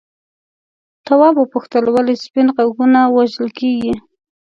تواب وپوښتل ولې سپین غوږونه وژل کیږي.